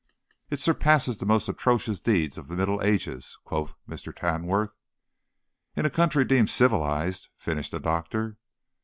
"It surpasses the most atrocious deeds of the middle ages," quoth Mr. Tamworth. "In a country deemed civilized," finished the doctor.